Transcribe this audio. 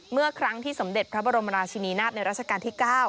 เมื่อครั้งที่สมเด็จพระบรมราชินีนาฏในราชการที่๙